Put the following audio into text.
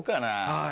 はい。